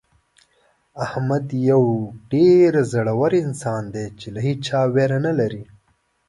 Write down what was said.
احمد یو ډېر زړور انسان دی له هېچا ویره نه لري.